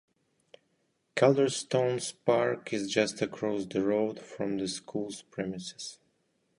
Calderstones Park is just across the road from the school's premises.